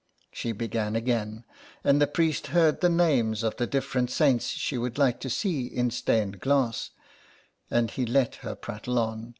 She began again, and the priest heard the names of the different saints she would like to see in stained glass, and he let her prattle on.